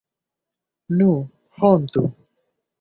Nu, hontu!